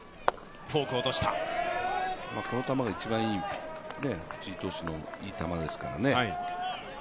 この球が一番、藤井投手のいい球ですからね。